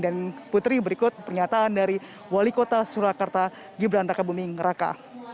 dan putri berikut pernyataan dari wali kota surakarta gibran raka bumi raka